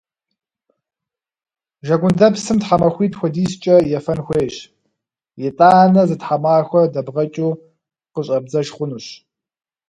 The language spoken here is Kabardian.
Жэгундэпсым тхьэмахуитӏ хуэдизкӏэ ефэн хуейщ. Итӏанэ зы тхьэмахуэ дэбгъэкӏыу къыщӏэбдзэж хъунущ.